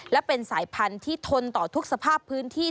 และเป็นสายพันธุ์ที่ทนต่อทุกสภาพพื้นที่